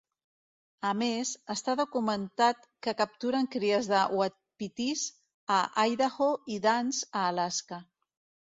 A més, està documentat que capturen cries de uapitís a Idaho i d'ants a Alaska.